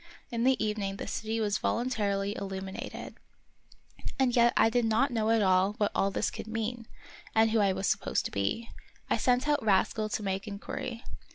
In the evening the city was voluntarily illumi nated. And yet I did not at all know what all this could mean, and who I was supposed to be. I sent out Rascal to make inquiry.